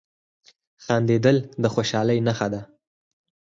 • خندېدل د خوشحالۍ نښه ده.